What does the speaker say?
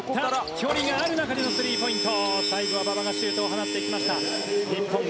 距離がある中でのスリーポイント。